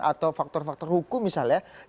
atau faktor faktor hukum misalnya